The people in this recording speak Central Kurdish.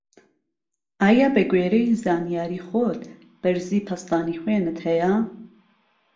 ئایا بە گوێرەی زانیاری خۆت بەرزی پەستانی خوێنت هەیە؟